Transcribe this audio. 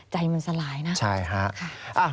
ใจมันสลายนะค่ะค่ะใช่ครับ